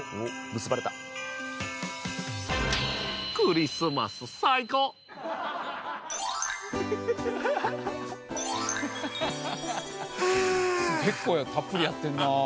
結構たっぷりやってるな。